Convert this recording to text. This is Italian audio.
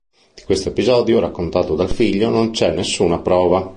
Di questo episodio raccontato dal figlio non c'è nessuna prova.